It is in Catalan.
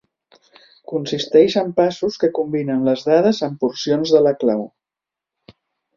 Consisteix en passos que combinen les dades amb porcions de la clau.